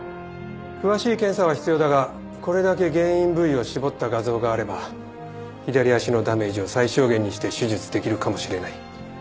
詳しい検査は必要だがこれだけ原因部位を絞った画像があれば左足のダメージを最小限にして手術できるかもしれない。